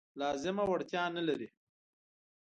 لازمه وړتیا نه لري.